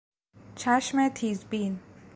چشم تیزبین